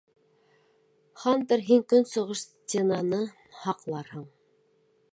Хантер, һин көнсығыш стенаны һаҡларһың.